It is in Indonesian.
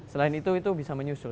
selain itu itu bisa menyusul